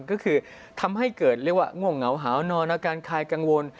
ก็คือทำให้เกิดเรียกว่าง่วงเหงาหาวนอนอาการคายกังวล